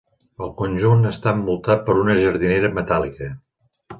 El conjunt està envoltat per una jardinera metàl·lica.